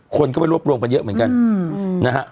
คนก็ไปรวบรวมกันเยอะเหมือนกันนะฮะ